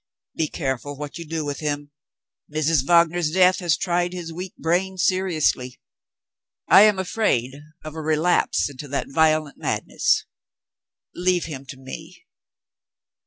"Be careful what you do with him. Mrs. Wagner's death has tried his weak brain seriously. I am afraid of a relapse into that violent madness leave him to me."